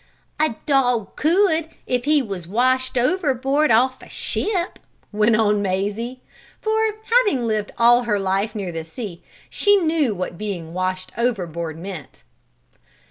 "A dog could, if he was washed overboard off a ship," went on Mazie, for, having lived all her life near the sea, she knew what being washed overboard meant.